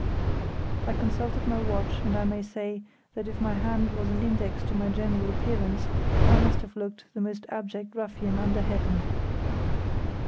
I consulted my watch, and I may say that if my hand was an index to my general appearance, I must have looked the most abject ruffian under heaven.